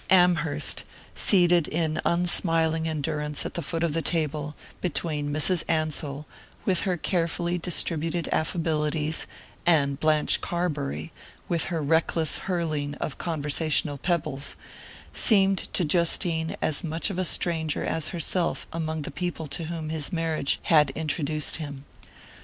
Amherst, seated in unsmiling endurance at the foot of the table, between Mrs. Ansell, with her carefully distributed affabilities, and Blanche Carbury, with her reckless hurling of conversational pebbles, seemed to Justine as much of a stranger as herself among the people to whom his marriage had introduced him.